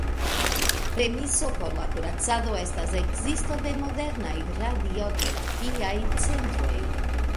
Premiso por la kuracado estas ekzisto de modernaj radioterapiaj centroj.